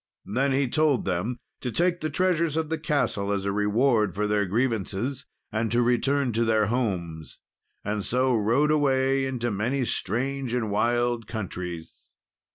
Then he told them to take the treasures of the castle as a reward for their grievances, and to return to their homes, and so rode away into many strange and wild countries.